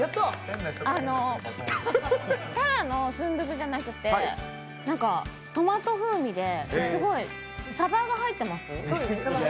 あのただのスンドゥブじゃなくてトマト風味で、すごいサバが入ってます？